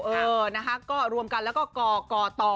เออนะคะก็รวมกันแล้วก็ก่อต่อ